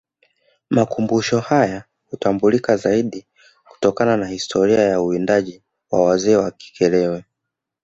Makumbusho hayahutambulika zaidi kutokana na historia ya uwindaji wa wazee wa Kikerewe